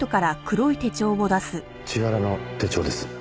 千原の手帳です。